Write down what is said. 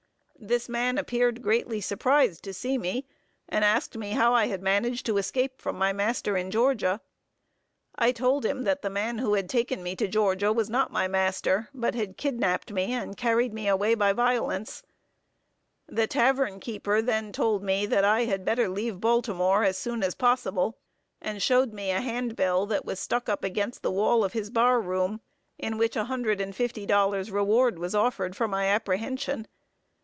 This man appeared greatly surprised to see me; and asked me how I had managed to escape from my master in Georgia. I told him, that the man who had taken me to Georgia was not my master; but had kidnapped me, and carried me away by violence. The tavern keeper then told me, that I had better leave Baltimore as soon as possible, and showed me a hand bill that was stuck up against the wall of his bar room, in which a hundred and fifty dollars reward was offered for my apprehension.